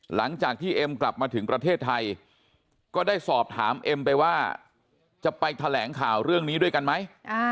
หลังจากที่เอ็มกลับมาถึงประเทศไทยก็ได้สอบถามเอ็มไปว่าจะไปแถลงข่าวเรื่องนี้ด้วยกันไหม